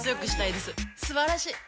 すばらしい！